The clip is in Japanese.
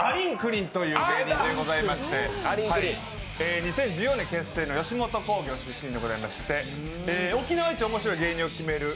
りんという芸人でございまして２０１４年結成の吉本興業出身でございまして、沖縄一面白い芸人を決める